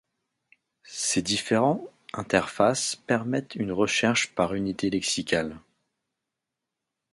Ses différents interfaces permettent une recherche par unité lexicale.